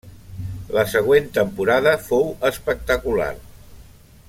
La següent temporada fou espectacular.